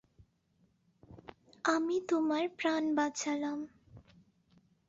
আমি তোমার প্রাণ বাঁচালাম।